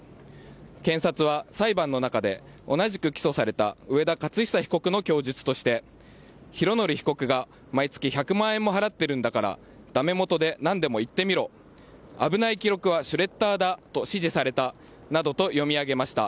検察は裁判の中で同じく起訴された上田雄久被告の供述として拡憲被告が毎月１００万円も払ってるんだからだめもとで何でも言ってみろ危ない記録はシュレッダーだと指示されたなどと読み上げました。